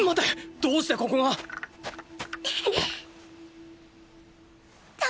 どうしてここがーー。